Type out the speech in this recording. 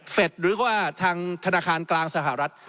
หรือว่าทางธนาคารกลางสหรัฐ